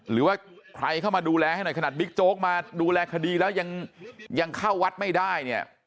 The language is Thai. หรือว่าใครเข้ามาดูแลให้หน่อยขนาดบิ๊กโจ๊กมาดูแลคดีแล้วยังเข้าวัดไม่ได้เนี่ย